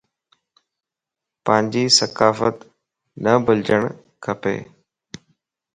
پانجي ثقافت نه بُلجڙ کپا